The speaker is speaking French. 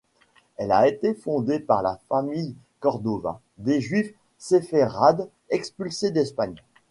Elle a été fondée par la famille Cordova, des juifs séférades expulsés d'Espagne.